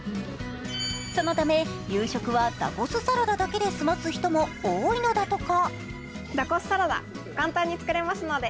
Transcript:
そのため、夕食はダコスサラダだけで済ます人も多いのだとか。